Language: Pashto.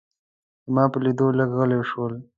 زما په لیدو لږ غلي شول.